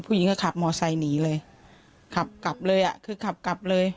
ผู้หญิงก็ขับมอไซค์หนีเลยขับกลับเลยอ่ะคือขับกลับเลย